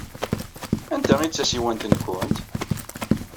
Anta ay d tasiwant-nwent?